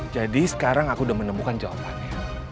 jadi sekarang aku udah menemukan jawabannya